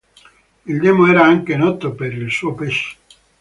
Il demo era anche noto per il suo pesce.